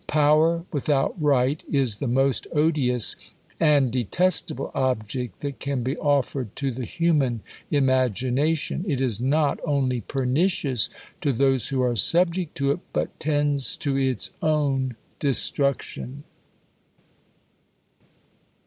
Power without right is the most odious and detestable object that can be offered to the human imagination : it is not only pernicious to those who are subject to it, but tends to its own destruction.